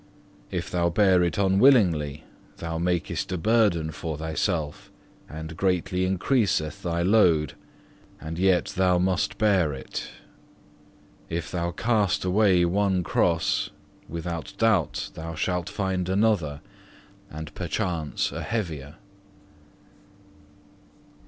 If thou bear it unwillingly, thou makest a burden for thyself and greatly increaseth thy load, and yet thou must bear it. If thou cast away one cross, without doubt thou shalt find another and perchance a heavier.